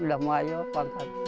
abah aman diberi penghargaan